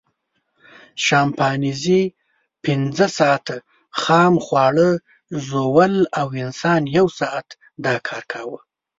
شامپانزي پینځه ساعته خام خواړه ژوول او انسان یو ساعت دا کار کاوه.